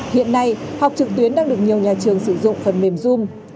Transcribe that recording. hiện nay học trực tuyến đang được nhiều nhà trường sử dụng phần mềm zoom